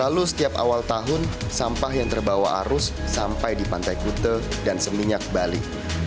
lalu setiap awal tahun sampah yang terbawa arus sampai di pantai kute dan seminyak bali